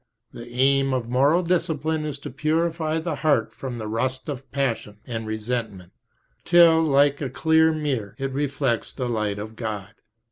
The aim of moral discipline is to purify the heart from the rust of passion and resentment, till, like a clear mirror, it reflects the light of God.